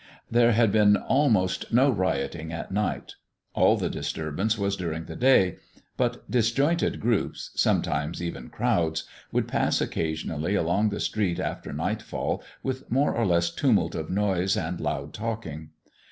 There had been almost no rioting at night. All the disturbance was during the day; but disjointed groups sometimes even crowds would pass occasionally along the street after nightfall with more or less tumult of noise and loud talking.